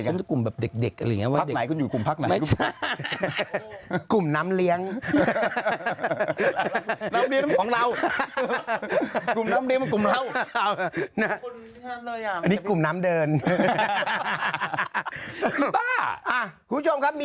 แล้วมีผู้ใหญ่๔คนติดต่อมา